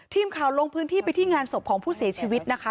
ทีมข่าวลงพื้นที่ไปที่งานศพของผู้เสียชีวิตนะคะ